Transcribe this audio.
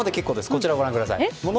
こちらをご覧ください。